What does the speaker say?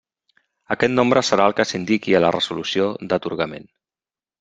Aquest nombre serà el que s'indiqui a la resolució d'atorgament.